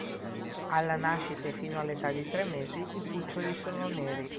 Alla nascita, e fino all'età di tre mesi, i cuccioli sono neri.